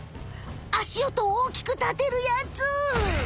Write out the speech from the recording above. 足音をおおきく立てるやつ！